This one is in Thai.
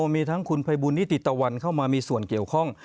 มีทั้งคุณภัยบุญนิติตะวันเข้ามามีส่วนเกี่ยวข้อง